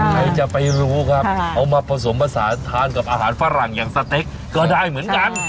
ใครจะไปรู้ครับเอามาผสมผสานทานกับอาหารฝรั่งอย่างสเต็กก็ได้เหมือนกัน